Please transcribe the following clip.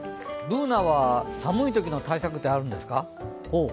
Ｂｏｏｎａは寒いときの対策ってあるんですか？